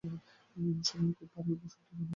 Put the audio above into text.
এমন সময়ে খুব একটা ভারী গাড়ির শব্দ শোনা গেল।